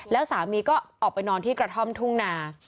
แล้วสามีก็ออกไปนอนที่กระท่อมทุ่งนา